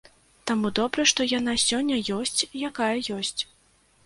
Таму добра, што яна сёння ёсць якая ёсць.